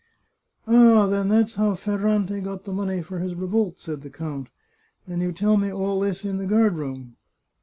" Ah, then that's how Ferrante got the money for his re volt !" said the count. " And you tell me all this in the guard room